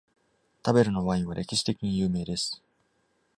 タベルのワインは歴史的に有名です。